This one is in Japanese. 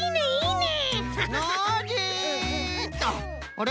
あれ？